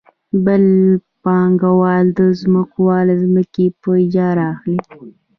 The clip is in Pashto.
بل پانګوال د ځمکوال ځمکې په اجاره اخلي